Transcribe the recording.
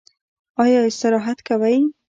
ایا استراحت کوئ؟